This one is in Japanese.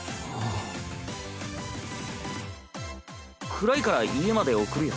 暗いから家まで送るよ。